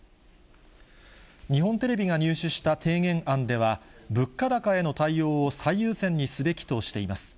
日本テレビが入手した提言案では、物価高への対応を最優先にすべきとしています。